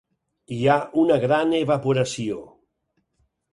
Hi ha una gran evaporació.